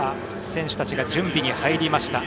選手たちが準備に入りました。